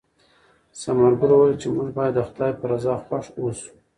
ثمرګل وویل چې موږ باید د خدای په رضا خوښ اوسو.